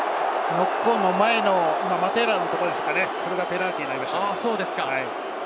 ノックオンの前のマテーラのところですね、それがペナルティーになりました。